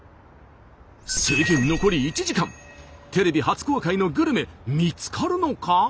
制限残り１時間テレビ初公開のグルメ見つかるのか？